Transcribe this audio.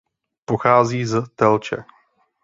Pochází z Telče.